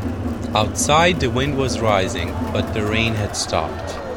Outside the wind was rising, but the rain had stopped.